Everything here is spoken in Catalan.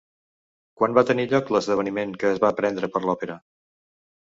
Quan va tenir lloc l'esdeveniment que es va prendre per l'òpera?